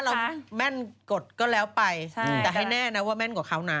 แม่นกดก็แล้วไปแต่ให้แน่นะว่าแม่นกว่าเขานะ